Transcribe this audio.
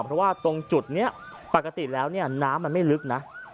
เพราะว่าตรงจุดนี้ปกติแล้วเนี่ยน้ำมันไม่ลึกนะ